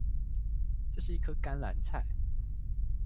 這是一顆甘藍菜